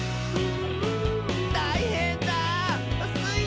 「たいへんだスイ